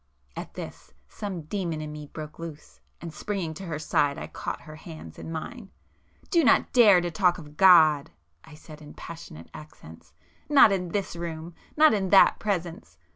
At this, some demon in me broke loose, and springing to her side I caught her hands in mine. "Do not dare to talk of God!" I said in passionate accents; "Not in this room,—not in that presence!